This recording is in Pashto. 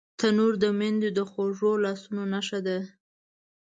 تنور د میندو د خوږو لاسونو نښه ده